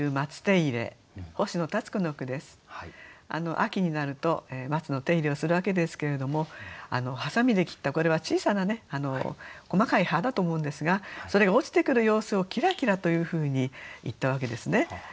秋になると松の手入れをするわけですけれどもはさみで切ったこれは小さな細かい葉だと思うんですがそれが落ちてくる様子を「きらきら」というふうにいったわけですね。